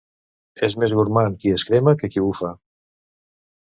És més gormand qui es crema que qui bufa.